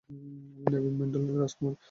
আমি নাভিন, ম্যাল্ডোনিয়ার রাজকুমার।